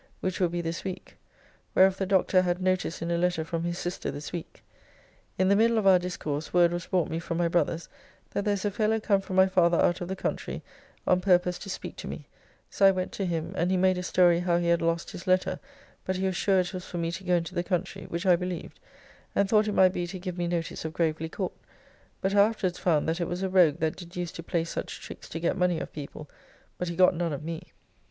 ] which will be this week, whereof the Doctor had notice in a letter from his sister this week. In the middle of our discourse word was brought me from my brother's that there is a fellow come from my father out of the country, on purpose to speak to me, so I went to him and he made a story how he had lost his letter, but he was sure it was for me to go into the country, which I believed, and thought it might be to give me notice of Gravely Court, but I afterwards found that it was a rogue that did use to play such tricks to get money of people, but he got none of me.